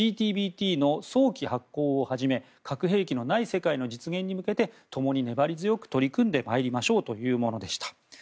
ＣＴＢＴの早期発効をはじめ核兵器のない世界の実現に向けて共に粘り強く取り組んで参りましょうというものでした。